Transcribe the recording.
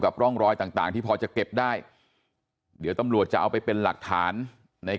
ร่องรอยต่างที่พอจะเก็บได้เดี๋ยวตำรวจจะเอาไปเป็นหลักฐานใน